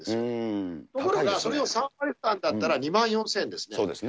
ところがそれを３割負担だったら２万４０００円ですね。